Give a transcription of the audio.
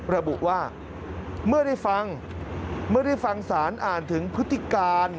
ระบุว่าเมื่อได้ฟังสารอ่านถึงพฤติการ